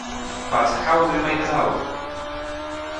But how do you make it out